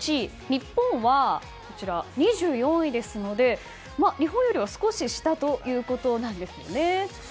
日本は２４位ですので日本よりは少し下ということです。